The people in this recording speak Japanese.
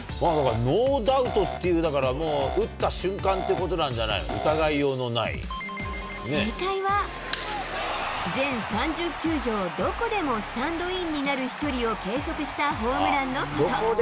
ノーダウトっていうんだから、もう打った瞬間っていうことなんじゃないの、疑いようのない、正解は、全３０球場どこでもスタンドインになる飛距離を計測したホームランのこと。